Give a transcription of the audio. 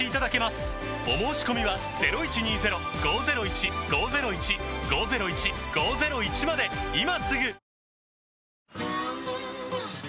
お申込みは今すぐ！